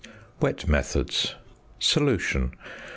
WET METHODS. ~Solution.